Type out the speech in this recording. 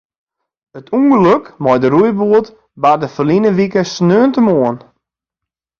It ûngelok mei de roeiboat barde ferline wike sneontemoarn.